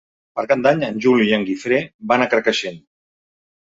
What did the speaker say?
Per Cap d'Any en Juli i en Guifré van a Carcaixent.